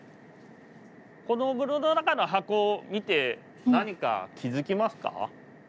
この室の中の箱を見て何か気付きますか？